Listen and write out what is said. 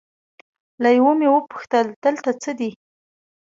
له یوه مې وپوښتل دلته څه دي؟